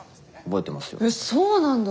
えっそうなんだ。